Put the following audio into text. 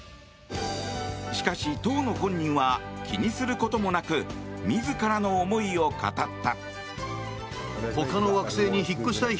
しかし、当の本人は気にすることもなく自らの思いを語った。